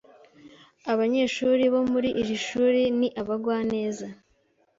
Abanyeshuri bo muri iri shuri ni abagwaneza.